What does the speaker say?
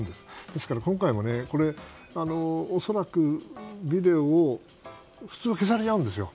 ですから今回も恐らくビデオも普通は消されちゃうんですよ。